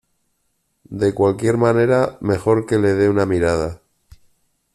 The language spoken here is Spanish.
De cualquier manera mejor que le de una mirada.